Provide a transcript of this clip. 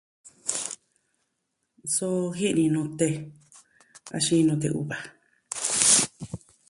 Suu ji'i ni nute, axin nute uva.